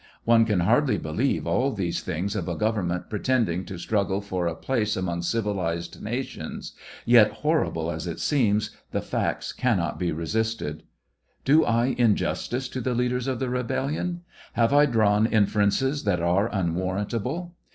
One can hardly believe all these things of a government pretending to struggle for a place among civilized nations, yet horrible as it seems, the facts cannot be ' resisted. Do I injustice to the leaders of the rebellion ? Have I drawn infer ences that are unwarrantable?